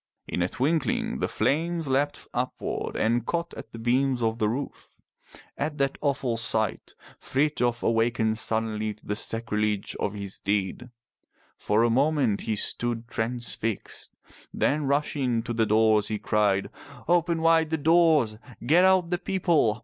In a twinkling the flames leapt upward and caught at the beams of the roof. At that awful sight, Frithjof awakened suddenly to the sacrilege of his deed. For a moment he stood transfixed. Then rushing to the doors he cried, "Open wide the doors. Get out the people.